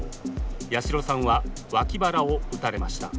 八代さんは脇腹を撃たれました。